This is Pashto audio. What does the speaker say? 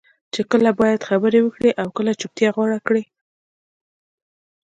چې کله باید خبرې وکړې او کله چپتیا غوره کړې.